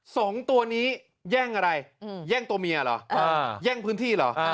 สองตัวนี้แย่งอะไรแย่งตัวเมียเหรอแย่งพื้นที่เหรอ